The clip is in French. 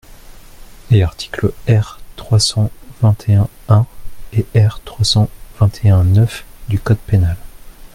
Et articles R. trois cent vingt-et-un un et R. trois cent vingt-et-un neuf du code pénal.